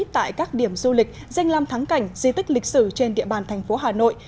tại các điểm du lịch danh lam thắng cảnh di tích lịch sử trên địa bàn tp hà nội